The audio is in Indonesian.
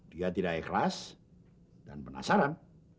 dia tidak ikhlas dan penasaran